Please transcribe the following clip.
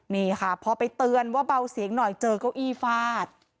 นี่ค่ะพอไปเตือนว่าเบาเสียงหน่อยเจอเก้าอี้ฟาด